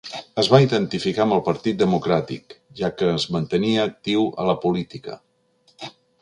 Es va identificar amb el partit democràtic, ja què es mantenia actiu a la política.